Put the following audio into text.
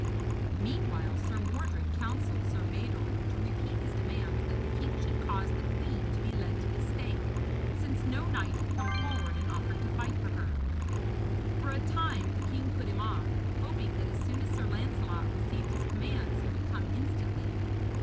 Meanwhile, Sir Mordred counselled Sir Mador to repeat his demand that the king should cause the queen to be led to the stake, since no knight had come forward and offered to fight for her. For a time the king put him off, hoping that as soon as Sir Lancelot received his commands he would come instantly.